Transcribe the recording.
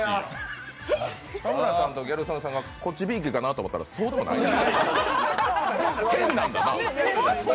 田村さんとギャル曽根さんがこっちびいきかなと思ったらそうでもない、変なんやな。